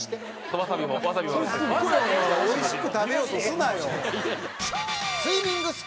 ワサビはおいしく食べようとすなよ！